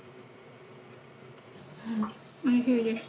おいしいです。